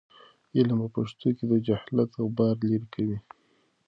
علم په پښتو کې د جهالت غبار لیرې کوي.